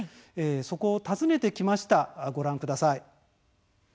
そこを訪ねてきましたご覧ください。